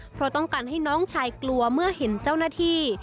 เพราะต้องการให้น้องชายกลัวเมื่อเห็นเจ้าหน้าที่